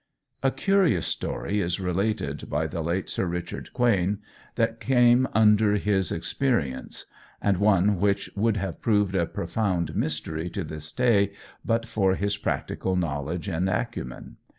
A curious story is related by the late Sir Richard Quain that came under his experience, and one which would have proved a profound mystery to this day but for his practical knowledge and acumen.